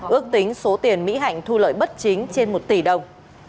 ước tính số tiền mỹ hạnh thu lợi bất chính trên một tỷ đồng